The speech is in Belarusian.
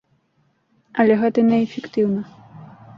Але гэта не эфектыўна.